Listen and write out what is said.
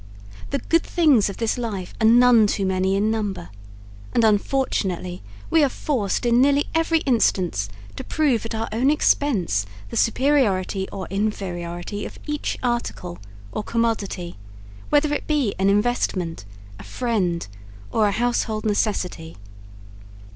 The good things of this life are none too many in number, and unfortunately we are forced in nearly every instance to prove at our own expense the superiority or inferiority of each article, or commodity whether it be an investment, a friend or a household necessity.